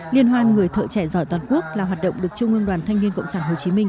liên hoan người thợ trẻ giỏi toàn quốc là hoạt động được trung ương đoàn thanh niên cộng sản hồ chí minh